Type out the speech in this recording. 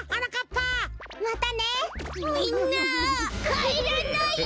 かえらないで！